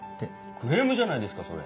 クレームじゃないですかそれ。